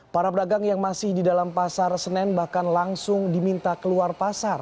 para pedagang yang masih di dalam pasar senen bahkan langsung diminta keluar pasar